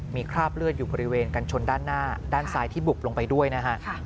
มีคราบเลือดอยู่บริเวณกันชนด้านหน้าด้านซ้ายที่บุบลงไปด้วยนะฮะ